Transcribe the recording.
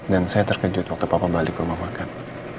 dan saya terkejut waktu papa balik ke rumah makan